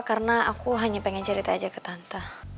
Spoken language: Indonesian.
karena aku hanya pengen cerita aja ke tante